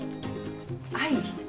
はい。